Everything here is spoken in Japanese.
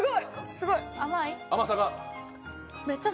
すごい！甘さが？